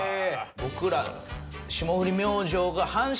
僕ら。